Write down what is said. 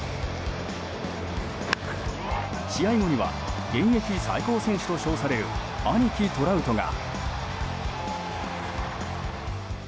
試合後には現役最高選手と称される兄貴、トラウトが。